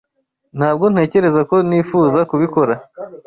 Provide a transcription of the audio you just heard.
Ntabwo ntekereza ko nifuza kubikora.